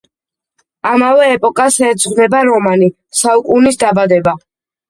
ამავე ეპოქას ეძღვნება რომანი „საუკუნის დაბადება“.